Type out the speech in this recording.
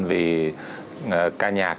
vì ca nhạc